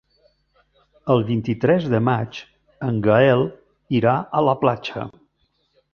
El vint-i-tres de maig en Gaël irà a la platja.